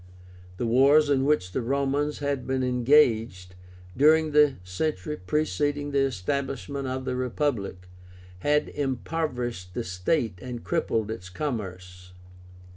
The wars in which the Romans had been engaged, during the century preceding the establishment of the Republic, had impoverished the state and crippled its commerce.